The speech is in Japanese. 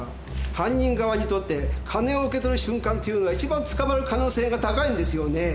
犯人側にとって金を受け取る瞬間っていうのはいちばん捕まる可能性が高いんですよね。